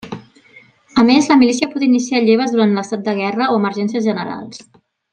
A més, la milícia pot iniciar lleves durant l'estat de guerra o emergències generals.